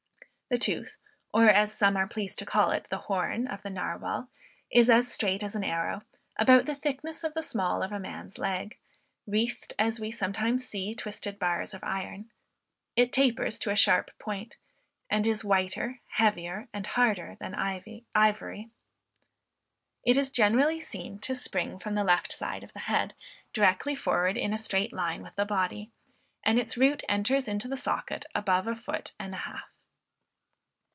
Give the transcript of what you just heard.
The tooth, or, as some are pleased to call it, the horn of the Narwal, is as straight as an arrow, about the thickness of the small of a man's leg, wreathed as we sometimes see twisted bars of iron; it tapers to a sharp point; and is whiter, heavier, and harder than ivory. It is generally seen to spring from the left side of the head directly forward in a straight line with the body; and its root enters into the socket above a foot and a half.